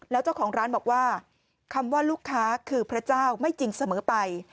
แล้วเจ้าของร้านบอกว่าคำว่าลูกค้าคือพระเจ้าไม่จริงเสมอไป